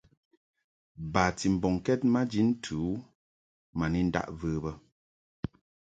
Bati mbɔŋkɛd maji ntɨ u ma ni ndaʼ və bə.